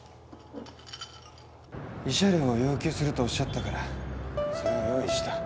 慰謝料を要求するとおっしゃったからそれを用意した。